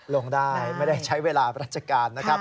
ลงได้ไม่ได้ใช้เวลาราชการ